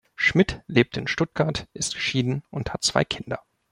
Schmidt lebt in Stuttgart, ist geschieden und hat zwei Kinder.